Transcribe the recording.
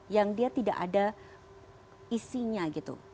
yang dia tidak ada isinya gitu